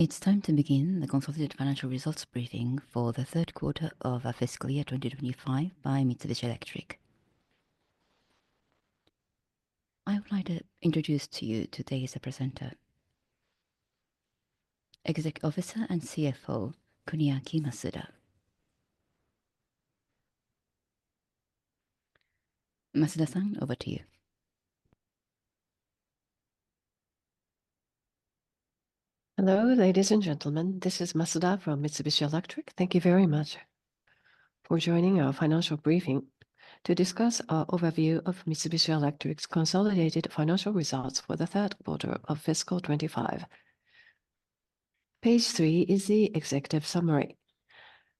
It's time to begin the consolidated financial results briefing for the third quarter of fiscal year 2025 by Mitsubishi Electric. I would like to introduce to you today's presenter, Executive Officer and CFO Kunihiko Masuda. Masuda, over to you. Hello, ladies and gentlemen. This is Masuda from Mitsubishi Electric. Thank you very much for joining our financial briefing to discuss our overview of Mitsubishi Electric's consolidated financial results for the third quarter of fiscal 2025. Page three is the executive summary.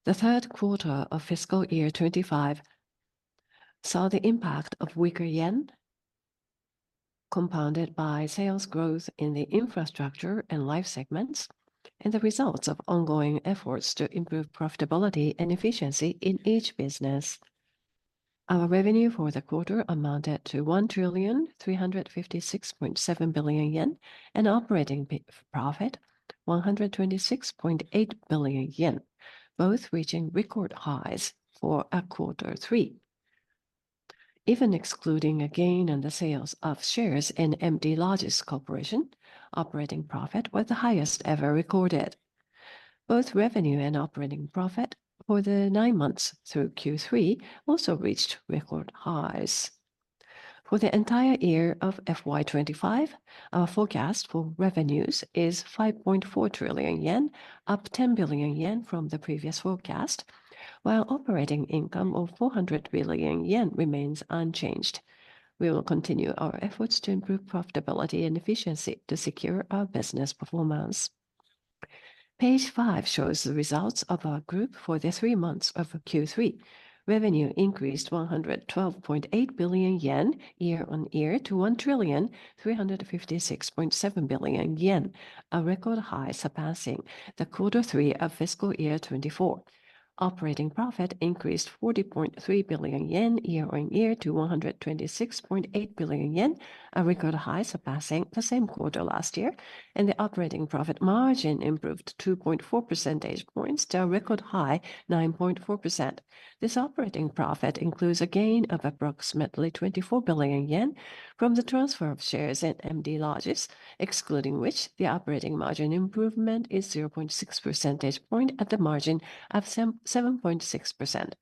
The third quarter of fiscal year 2025 saw the impact of weaker yen, compounded by sales growth in the Infrastructure and Life segments, and the results of ongoing efforts to improve profitability and efficiency in each business. Our revenue for the quarter amounted to 1,356.7 billion yen and operating profit 126.8 billion yen, both reaching record highs for quarter three. Even excluding a gain in the sales of shares in MD Logis Corporation, operating profit was the highest ever recorded. Both revenue and operating profit for the nine months through Q3 also reached record highs. For the entire year of FY25, our forecast for revenues is 5.4 trillion yen, up 10 billion yen from the previous forecast, while operating income of 400 billion yen remains unchanged. We will continue our efforts to improve profitability and efficiency to secure our business performance. Page five shows the results of our group for the three months of Q3. Revenue increased 112.8 billion yen year-on-year to 1,356.7 billion yen, a record high surpassing the quarter three of Fiscal Year 2024. Operating profit increased 40.3 billion yen year-on-year to 126.8 billion yen, a record high surpassing the same quarter last year, and the operating profit margin improved 2.4 percentage points to a record high of 9.4%. This operating profit includes a gain of approximately 24 billion yen from the transfer of shares in MD Logis, excluding which the operating margin improvement is 0.6 percentage points at the margin of 7.6%.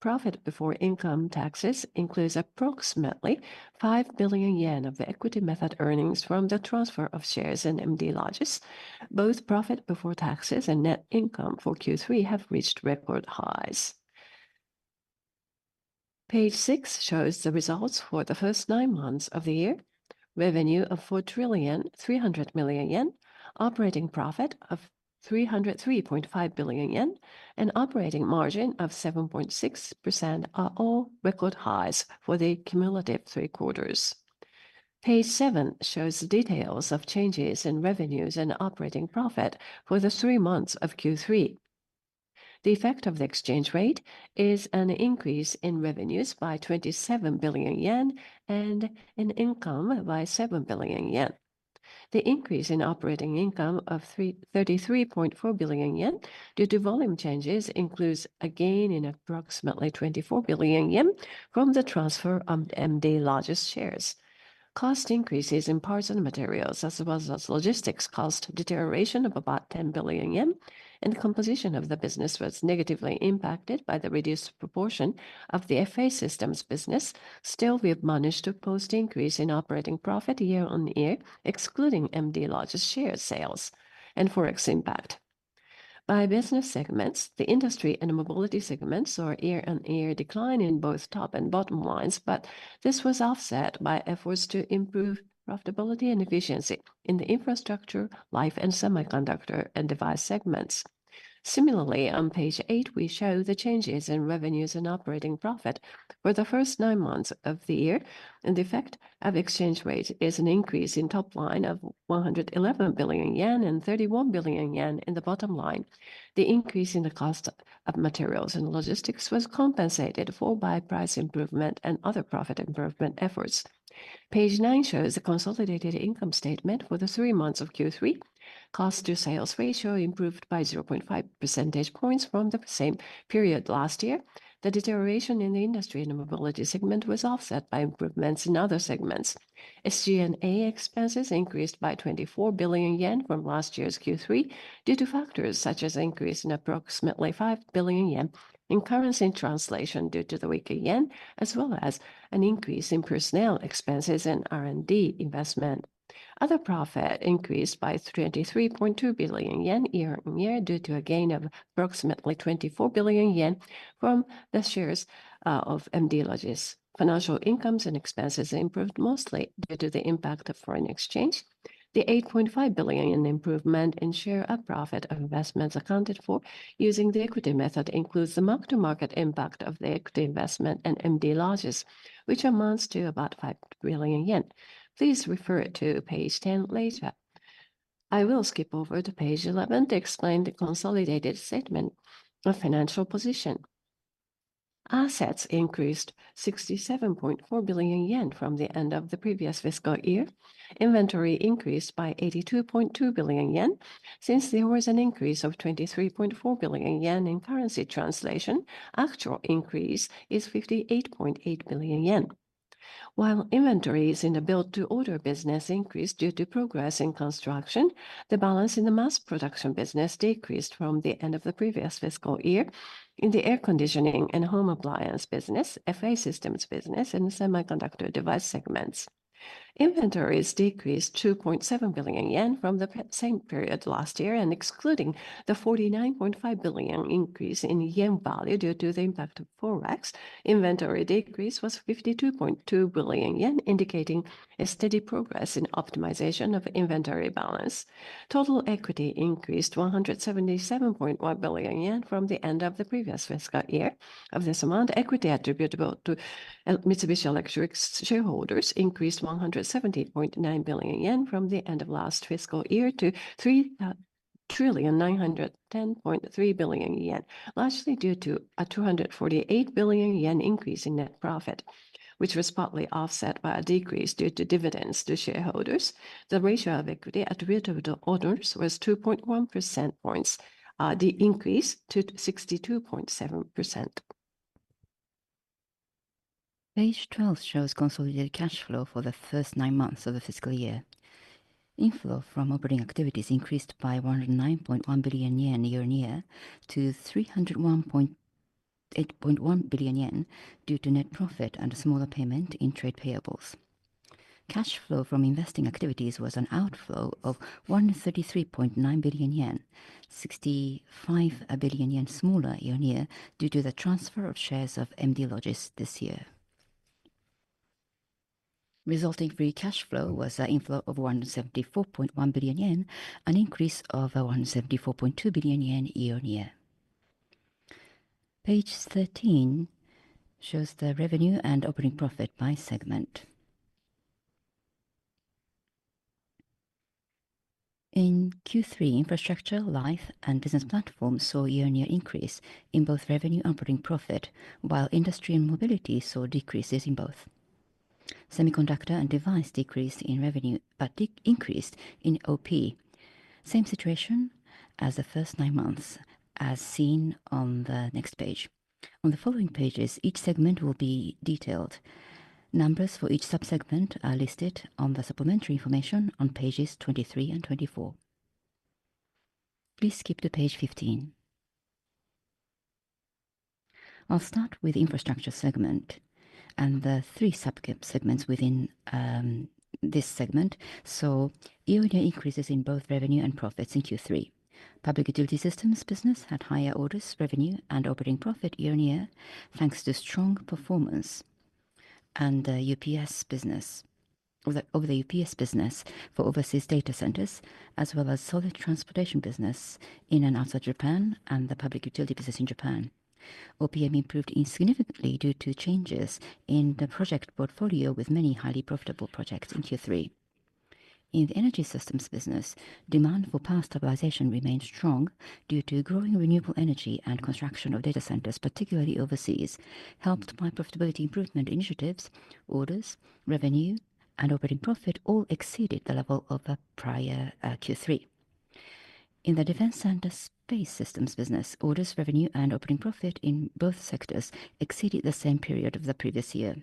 Profit before income taxes includes approximately 5 billion yen of equity method earnings from the transfer of shares in MD Logis. Both profit before taxes and net income for Q3 have reached record highs. Page six shows the results for the first nine months of the year: revenue of 4,300 billion yen, operating profit of 303.5 billion yen, and operating margin of 7.6% are all record highs for the cumulative three quarters. Page 7 shows the details of changes in revenues and operating profit for the three months of Q3. The effect of the exchange rate is an increase in revenues by 27 billion yen and in income by 7 billion yen. The increase in operating income of 33.4 billion yen due to volume changes includes a gain in approximately 24 billion yen from the transfer of MD Logis shares. Cost increases in parts and materials, as well as logistics, caused a deterioration of about 10 billion yen, and the composition of the business was negatively impacted by the reduced proportion of the FA Systems business. Still, we have managed to post an increase in operating profit year-on-year, excluding MD Logis share sales and forex impact. By business segments, the Industry and Mobility segments saw a year-on-year decline in both top and bottom lines, but this was offset by efforts to improve profitability and efficiency in the infrastructure, Life, and Semiconductor and Device segments. Similarly, on page eight, we show the changes in revenues and operating profit for the first nine months of the year, and the effect of the exchange rate is an increase in the top line of 111 billion yen and 31 billion yen in the bottom line. The increase in the cost of materials and logistics was compensated for by price improvement and other profit improvement efforts. Page nine shows the consolidated income statement for the three months of Q3. Cost-to-sales ratio improved by 0.5 percentage points from the same period last year. The deterioration in the Industry and Mobility segment was offset by improvements in other segments. SG&A expenses increased by 24 billion yen from last year's Q3 due to factors such as an increase in approximately 5 billion yen in currency translation due to the weaker yen, as well as an increase in personnel expenses and R&D investment. Other profit increased by 23.2 billion yen year-on-year due to a gain of approximately 24 billion yen from the shares of MD Logis. Financial incomes and expenses improved mostly due to the impact of foreign exchange. The 8.5 billion improvement in share of profit of investments accounted for using the equity method includes the mark-to-market impact of the equity investment in MD Logis, which amounts to about 5 billion yen. Please refer to page 10 later. I will skip over to page 11 to explain the consolidated statement of financial position. Assets increased 67.4 billion yen from the end of the previous fiscal year. Inventory increased by 82.2 billion yen. Since there was an increase of 23.4 billion yen in currency translation, actual increase is 58.8 billion yen. While inventories in the build-to-order business increased due to progress in construction, the balance in the mass production business decreased from the end of the previous fiscal year in the Air Conditioning and Home Appliance business, FA systems business, and Semiconductor Device segments. Inventories decreased 2.7 billion yen from the same period last year, and excluding the 49.5 billion increase in yen value due to the impact of forex, inventory decrease was 52.2 billion yen, indicating a steady progress in optimization of inventory balance. Total equity increased 177.1 billion yen from the end of the previous fiscal year. Of this amount, equity attributable to Mitsubishi Electric's shareholders increased 170.9 billion yen from the end of last fiscal year to 3,910.3 billion yen, largely due to a 248 billion yen increase in net profit, which was partly offset by a decrease due to dividends to shareholders. The ratio of equity attributable to owners was 2.1 percentage points, the increase to 62.7%. Page 12 shows consolidated cash flow for the first nine months of the fiscal year. Inflow from operating activities increased by 109.1 billion yen year-on-year to 301.8 billion yen due to net profit and a smaller payment in trade payables. Cash flow from investing activities was an outflow of 133.9 billion yen, 65 billion yen smaller year-on-year due to the transfer of shares of MD Logis this year. Resulting free cash flow was an inflow of 174.1 billion yen, an increase of 174.2 billion yen year-on-year. Page 13 shows the revenue and operating profit by segment. In Q3, Infrastructure, Life, and Business Platform saw year-on-year increase in both revenue and operating profit, while Industry and Mobility saw decreases in both. Semiconductor and Device decreased in revenue, but increased in OP. Same situation as the first nine months, as seen on the next page. On the following pages, each segment will be detailed. Numbers for each subsegment are listed on the supplementary information on pages 23 and 24. Please skip to page 15. I'll start with the Infrastructure segment and the three subsegments within this segment. Year-on-year increases in both revenue and profits in Q3. Public Utility Systems business had higher orders revenue and operating profit year-on-year thanks to strong performance in the UPS business for overseas data centers, as well as solid transportation business in and outside Japan and the public utility business in Japan. OPM improved significantly due to changes in the project portfolio with many highly profitable projects in Q3. In the Energy Systems business, demand for power stabilization remained strong due to growing renewable energy and construction of data centers, particularly overseas, helped by profitability improvement initiatives. Orders, revenue, and operating profit all exceeded the level of prior Q3. In the Defense and Space Systems business, orders, revenue, and operating profit in both sectors exceeded the same period of the previous year.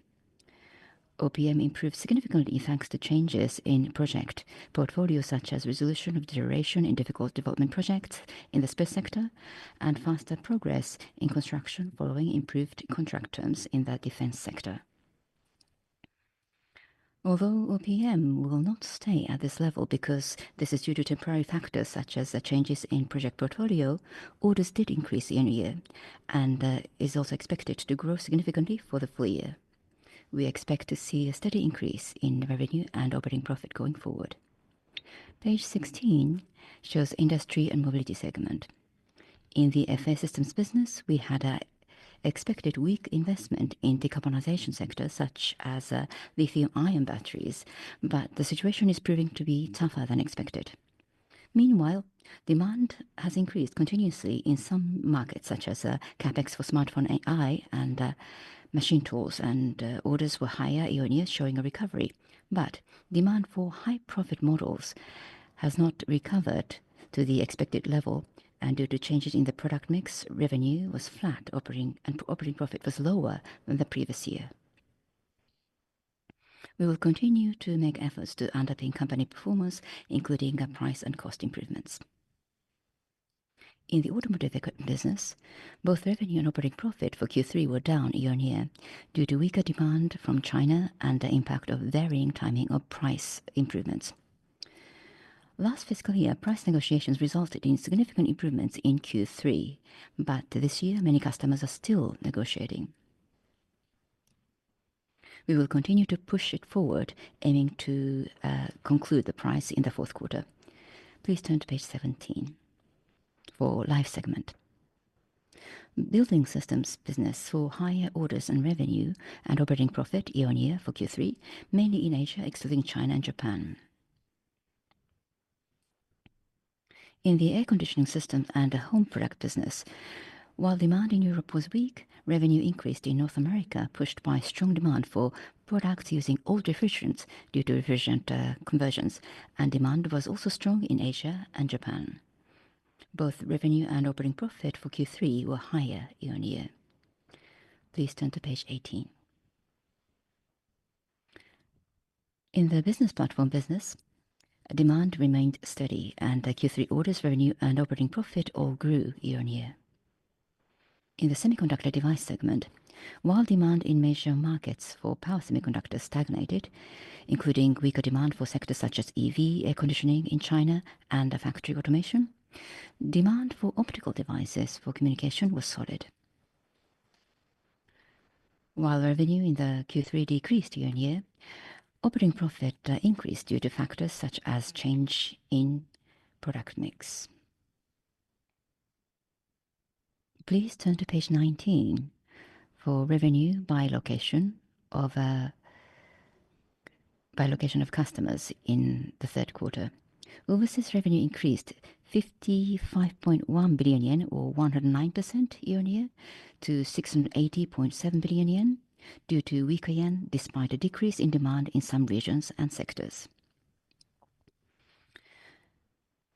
OPM improved significantly thanks to changes in project portfolio such as resolution of deterioration in difficult development projects in the space sector and faster progress in construction following improved contract terms in the defense sector. Although OPM will not stay at this level because this is due to temporary factors such as changes in project portfolio, orders did increase year-on-year and is also expected to grow significantly for the full year. We expect to see a steady increase in revenue and operating profit going forward. Page 16 shows Industry and Mobility segment. In the FA systems business, we had an expected weak investment in decarbonization sectors such as lithium-ion batteries, but the situation is proving to be tougher than expected. Meanwhile, demand has increased continuously in some markets such as CapEx for Smartphone AI and machine tools, and orders were higher year-on-year showing a recovery, but demand for high-profit models has not recovered to the expected level, and due to changes in the product mix, revenue was flat and operating profit was lower than the previous year. We will continue to make efforts to underpin company performance, including price and cost improvements. In the Automotive Equipment business, both revenue and operating profit for Q3 were down year-on-year due to weaker demand from China and the impact of varying timing of price improvements. Last fiscal year, price negotiations resulted in significant improvements in Q3, but this year many customers are still negotiating. We will continue to push it forward, aiming to conclude the price in the fourth quarter. Please turn to page 17 for Life segment. Building Systems business saw higher orders and revenue and operating profit year-on-year for Q3, mainly in Asia excluding China and Japan. In the Air Conditioning Systems and Home Products business, while demand in Europe was weak, revenue increased in North America pushed by strong demand for products using old refrigerants due to refrigerant conversions, and demand was also strong in Asia and Japan. Both revenue and operating profit for Q3 were higher year-on-year. Please turn to page 18. In the Business Platform business, demand remained steady, and Q3 orders, revenue, and operating profit all grew year-on-year. In the Semiconductor and Device segment, while demand in major markets for power semiconductors stagnated, including weaker demand for sectors such as EV, air conditioning in China, and factory automation, demand for optical devices for communication was solid. While revenue in the Q3 decreased year-on-year, operating profit increased due to factors such as change in product mix. Please turn to page 19 for revenue by location of customers in the third quarter. Overseas revenue increased 55.1 billion yen, or 109% year-on-year, to 680.7 billion yen due to weaker yen despite a decrease in demand in some regions and sectors.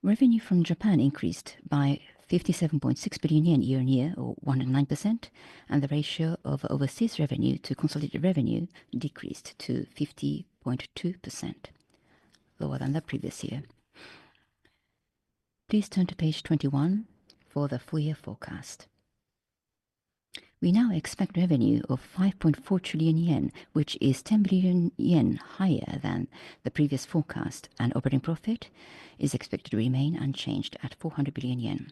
Revenue from Japan increased by 57.6 billion yen year-on-year, or 109%, and the ratio of overseas revenue to consolidated revenue decreased to 50.2%, lower than the previous year. Please turn to page 21 for the full year forecast. We now expect revenue of 5.4 trillion yen, which is 10 billion yen higher than the previous forecast, and operating profit is expected to remain unchanged at 400 billion yen.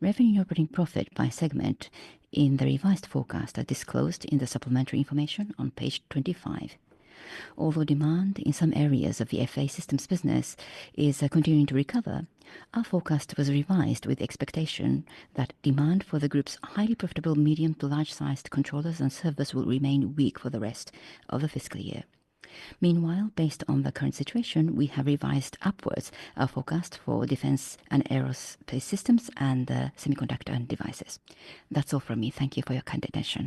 Revenue and operating profit by segment in the revised forecast are disclosed in the supplementary information on page 25. Although demand in some areas of the FA systems business is continuing to recover, our forecast was revised with the expectation that demand for the group's highly profitable medium to large-sized controllers and servers will remain weak for the rest of the fiscal year. Meanwhile, based on the current situation, we have revised upwards our forecast for defense and space systems and Semiconductor Devices. That's all from me. Thank you for your attention.